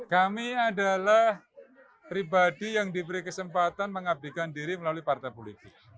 kami adalah pribadi yang diberi kesempatan mengabdikan diri melalui partai politik